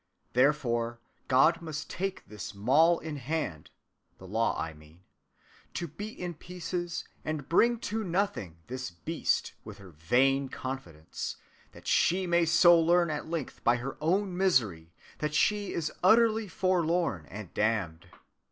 Therefore God must take this maul in hand (the law, I mean) to beat in pieces and bring to nothing this beast with her vain confidence, that she may so learn at length by her own misery that she is utterly forlorn and damned.